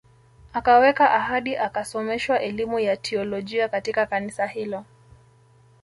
Akaweka ahadi akasomeshwa elimu ya teolojia katika kanisa hilo